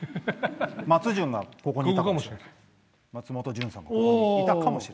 松潤がここにいたかもしれない。